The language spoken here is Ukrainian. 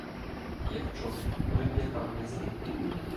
Як чорт, у реп'яхах ввесь був.